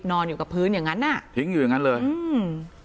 นอนอยู่กับพื้นอย่างงั้นอ่ะทิ้งอยู่อย่างงั้นเลยอืม